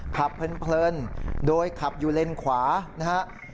ขับเพลินโดยขับอยู่เลนค์ขวานะครับ